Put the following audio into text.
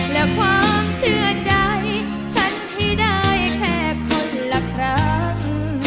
และความเชื่อใจฉันที่ได้แค่คนละครั้ง